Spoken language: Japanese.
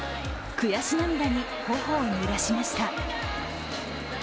悔し涙に頬をぬらしました。